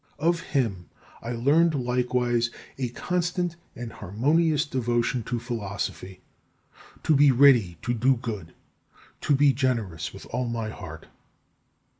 Of him I learned likewise a constant and harmonious devotion to Philosophy; to be ready to do good, to be generous with all my heart.